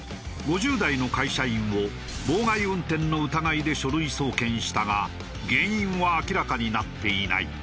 ５０代の会社員を妨害運転の疑いで書類送検したが原因は明らかになっていない。